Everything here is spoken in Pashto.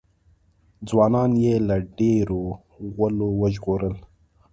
ځوانان یې له ډېرو غولو وژغورل.